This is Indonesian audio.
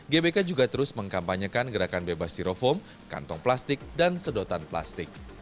gbk juga terus mengkampanyekan gerakan bebas steroform kantong plastik dan sedotan plastik